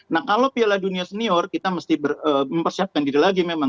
nah kalau piala dunia senior kita mesti mempersiapkan diri lagi memang